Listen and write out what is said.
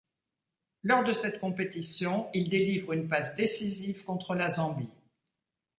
Lors de cette compétition, il délivre une passe décisive contre la Zambie.